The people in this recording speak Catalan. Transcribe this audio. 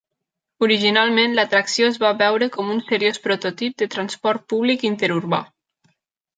Originalment l'atracció es va veure com un seriós prototip de transport públic interurbà.